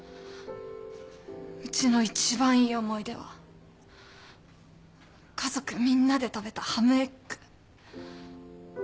うちの一番いい思い出は家族みんなで食べたハムエッグ。